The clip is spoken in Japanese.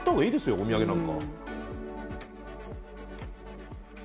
お土産なんか。